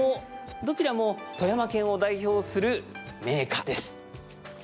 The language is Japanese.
どちらも富山県を代表する銘菓です。